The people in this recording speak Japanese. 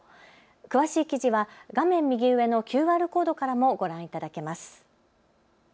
詳しい記事は画面右上のＱＲコードからもご覧いただけます。